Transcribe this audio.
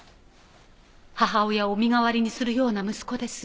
母親を身代わりにするような息子です。